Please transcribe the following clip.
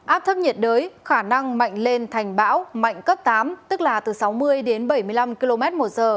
áp thấp nhiệt đới khả năng mạnh lên thành bão mạnh cấp tám tức là từ sáu mươi đến bảy mươi năm km một giờ